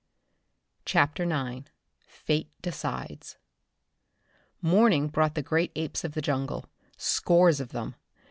CHAPTER IX Fate Decides Morning brought the great apes of the jungle scores of them.